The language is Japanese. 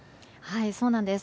そうなんです。